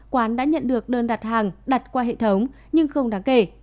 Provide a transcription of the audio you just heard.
quán đã nhận được đơn đặt hàng đặt qua hệ thống nhưng không đáng kể